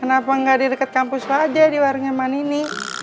kenapa gak di deket kampus lo aja di warung nyaman ini